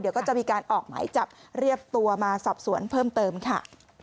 เดี๋ยวก็จะมีการออกหมายจับเรียบตัวมาสอบสวนเพิ่มเติมค่ะ